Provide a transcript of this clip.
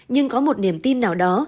nhưng có một niềm tin nào đó